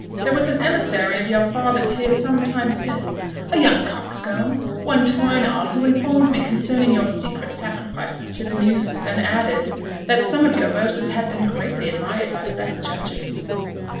"There was an emissary of your father's here some time since, a young coxcomb, one Twineall, who informed me concerning your secret sacrifices to the muses, and added, that some of your verses had been greatly admired by the best judges."